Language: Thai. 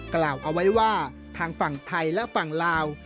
กล่าวเอาไว้ว่าทางฝั่งไทยและฝั่งลาว